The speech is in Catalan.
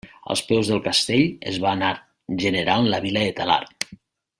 Als peus del castell es va anar generant la vila de Talarn.